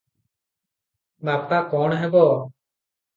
ବାପା କଣ ହେବ?"